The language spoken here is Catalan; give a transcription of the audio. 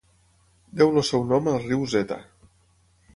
Deu el seu nom al riu Zeta.